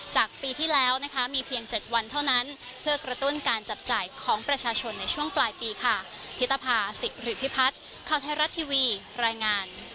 จากปีที่แล้วนะคะมีเพียง๗วันเท่านั้นเพื่อกระตุ้นการจับจ่ายของประชาชนในช่วงปลายปีค่ะ